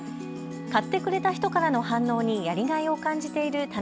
買ってくれた人からの反応にやりがいを感じている棚